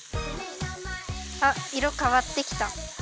あっいろかわってきた。